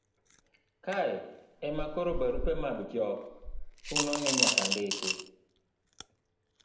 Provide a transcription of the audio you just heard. kae ema koro barupe mag jok chuno ni nyaka ndiki